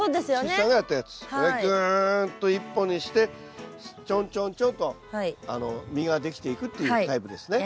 ぐんと１本にしてちょんちょんちょんと実ができていくっていうタイプですね。